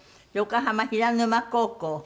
横浜平沼高校。